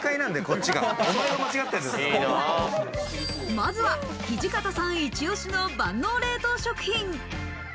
まずは土方さんイチオシの万能冷凍食品。